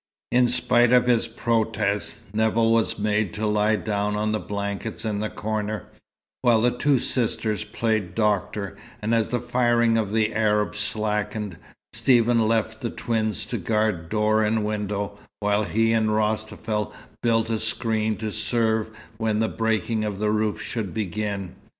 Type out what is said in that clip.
In spite of his protest, Nevill was made to lie down on the blankets in the corner, while the two sisters played doctor; and as the firing of the Arabs slackened, Stephen left the twins to guard door and window, while he and Rostafel built a screen to serve when the breaking of the roof should begin.